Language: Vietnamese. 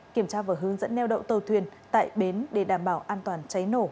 kiểm tra và hướng dẫn neo đậu tàu thuyền tại bến để đảm bảo an toàn cháy nổ